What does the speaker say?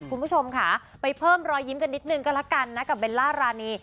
คุณผู้ชมค่ะไปเพิ่มรอยยิ้มกันนิดนึงกับเบลล่ารานี